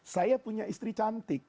saya punya istri cantik